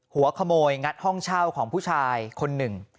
หัวขโมยงัดห้องเช่าของผู้ชายคนหนึ่ง